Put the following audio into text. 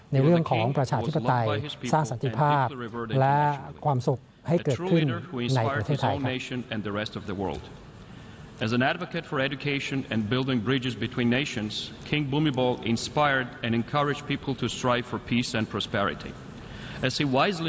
ในเรื่องของประชาธิปไตยสร้างสันติภาพและความสุขให้เกิดขึ้นในประเทศไทย